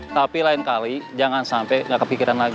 tapi lain kali jangan sampe gak kepikiran lagi